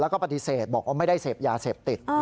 แล้วก็ปฏิเสธบอกว่าไม่ได้เสพยาเสพติด